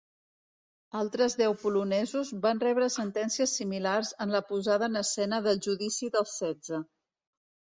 Altres deu polonesos van rebre sentències similars en la posada en escena del Judici dels Setze.